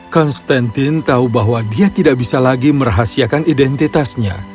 konstantin tahu bahwa dia tidak bisa lagi merahasiakan identitasnya